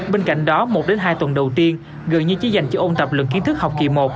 bên cạnh đó một đến hai tuần đầu tiên gần như chỉ dành cho ôn tập lượng kiến thức học kỳ một